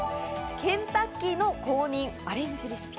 ケンタッキーの公認アレンジレシピ。